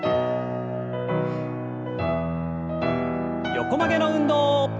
横曲げの運動。